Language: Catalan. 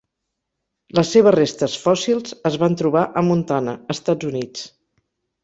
Les seves restes fòssils es van trobar a Montana, Estats Units.